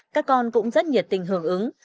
các con cũng rất nhiệt tình hưởng ứng